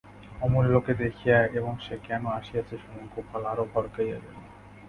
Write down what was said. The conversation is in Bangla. অমূল্যকে দেখিয়া এবং সে কেন আসিয়াছে শুনিয়া গোপাল আরও ভড়কাইয়া গেল।